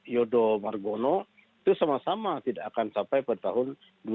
yodo margono itu sama sama tidak akan sampai pada tahun dua ribu dua puluh